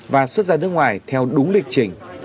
và xuất ra nước ngoài theo đúng lịch trình